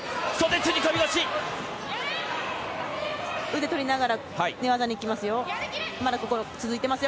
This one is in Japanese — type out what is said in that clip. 腕をとりながら寝技にいきますよ。